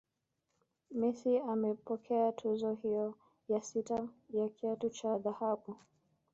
Messi amepokea tuzo hiyo ya sita ya kiatu cha dhahabu